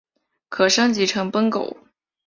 可升级成奔狗。